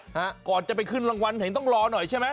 ฮะก่อนจะไปขึ้นรางวัลเห็นต้องรอหน่อยใช่ไหม